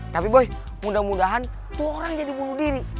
tapi boy mudah mudahan tuh orang jadi bunuh diri